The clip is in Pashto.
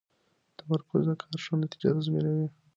تمرکز د کار ښه نتیجه تضمینوي.